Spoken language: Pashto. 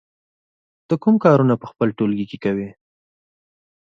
ته کوم کارونه په خپل ټولګي کې کوې؟